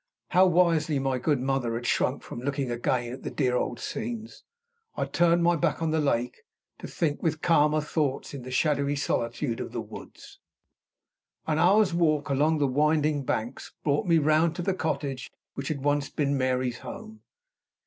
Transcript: How wisely my good mother had shrunk from looking again at the dear old scenes! I turned my back on the lake, to think with calmer thoughts in the shadowy solitude of the woods. An hour's walk along the winding banks brought me round to the cottage which had once been Mary's home.